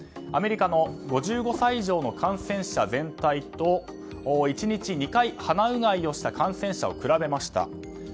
アメリカの５５歳以上の感染者全体と１日２回鼻うがいをした感染者を比べました。